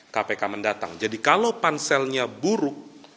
kpk mendatang jadi kalau panselnya buruk